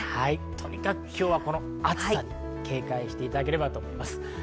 とにかく今日は暑さに警戒していただければと思います。